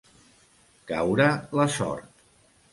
Caure la sort.